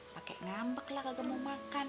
pakai nambek lah kagak mau makan